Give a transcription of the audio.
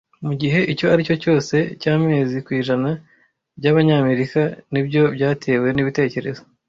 Mu gihe icyo aricyo cyose cyamezi % byabanyamerika nibyo Byatewe nibitekerezo